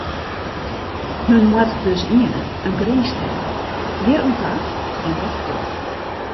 Men moat dus earne in grins stelle: hjir oan ta en net fierder.